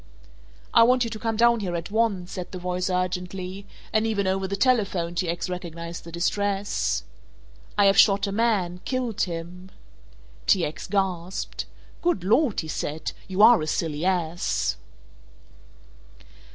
"I want you to come down here at once," said the voice urgently, and even over the telephone T. X. recognized the distress. "I have shot a man, killed him!" T. X. gasped. "Good Lord," he said, "you are a silly ass!"